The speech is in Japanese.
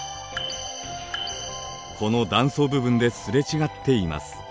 この断層部分ですれ違っています。